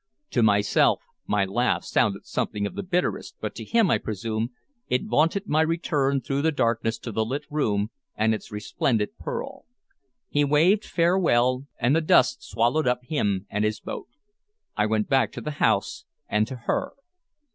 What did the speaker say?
To myself my laugh sounded something of the bitterest, but to him, I presume, it vaunted my return through the darkness to the lit room and its resplendent pearl. He waved farewell, and the dusk swallowed up him and his boat. I went back to the house and to her.